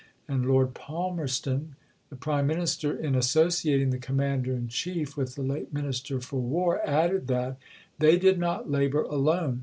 And Lord Palmerston, the Prime Minister, in associating the Commander in Chief with the late Minister for War, added that "they did not labour alone.